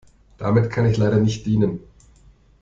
Damit kann ich leider nicht dienen.